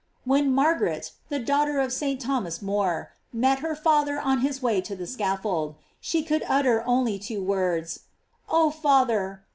When Margaret, the daughter of Sir Thomas More, met her father on his way to the scaffold, she could utter only two words, oh, father!